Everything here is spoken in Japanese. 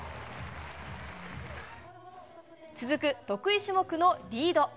続く得意種目のリード。